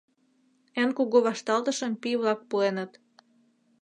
Эн кугу вашталтышым пий-влак пуэныт.